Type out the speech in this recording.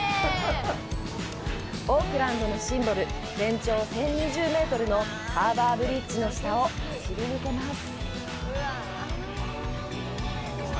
オークランドのシンボル、全長１０２０メートルのハーバーブリッジの下を走り抜けます。